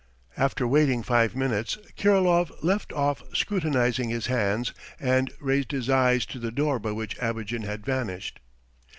After waiting five minutes Kirilov left off scrutinizing his hands and raised his eyes to the door by which Abogin had vanished.